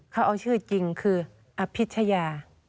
เขาเอาชื่อจริงคืออภิชยา